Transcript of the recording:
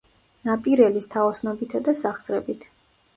ნაპირელის თაოსნობითა და სახსრებით.